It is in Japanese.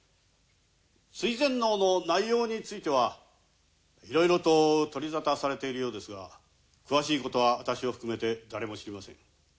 追善能の内容についてはいろいろと取りざたされているようですが詳しいことは私を含めて誰も知りません。